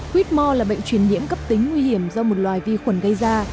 whore là bệnh truyền nhiễm cấp tính nguy hiểm do một loài vi khuẩn gây ra